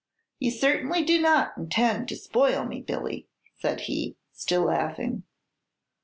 "You certainly do not intend to spoil me, Billy," said he, still laughing.